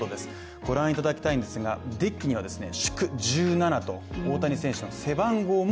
御覧いただきたいんですが、デッキにはですね、祝１７と大谷選手背番号も。